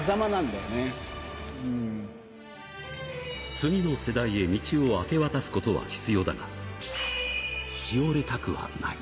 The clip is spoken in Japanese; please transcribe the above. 次の世代へ道を明け渡すことは必要だが、しおれたくはない。